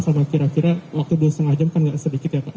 sama kira kira waktu dua lima jam kan nggak sedikit ya pak